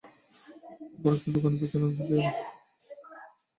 অপর একটি দোকানের পেছনের অংশে দেয়াল দেওয়ার জন্য গর্ত খোঁড়া হচ্ছে।